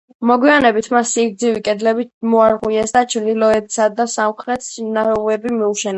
მოგვიანებით, მას სიგრძივი კედლები მოარღვიეს და ჩრდილოეთისა და სამხრეთის ნავები მიუშენეს.